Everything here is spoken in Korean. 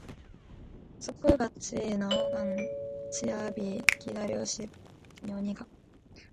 섶벌같이 나아간 지아비 기다려 십 년이 갔다.